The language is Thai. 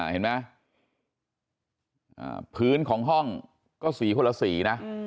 เห็นไหมพื้นของห้องก็สีคนละสีนะ